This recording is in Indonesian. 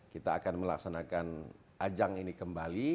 kita akan melaksanakan ajang ini kembali